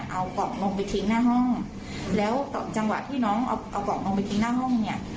เอากล่องลงไปทิ้งหน้าห้องแล้วจังหวะที่น้องเอากล่องลงไปทิ้งหน้าห้องเนี่ย